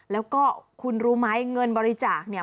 แล้วก็คุณรู้ไหมเงินบริจาคเนี่ย